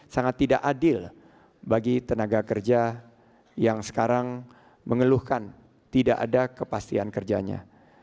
sangat tidak adil bagi tenaga kerja yang sekarang mengeluhkan tidak ada kepastian kerjanya